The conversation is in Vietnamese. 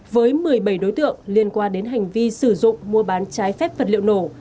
với một mươi bảy đối tượng liên quan đến hành vi sử dụng mua bán trái phép vật liệu nổ